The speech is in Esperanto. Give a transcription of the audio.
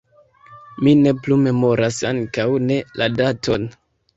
Mi ne plu memoras, ankaŭ ne la daton.